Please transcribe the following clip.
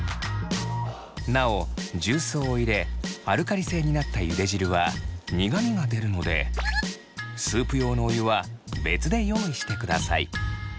なお重曹を入れアルカリ性になったゆで汁は苦みが出るのでスープ用のお湯は別で用意してください。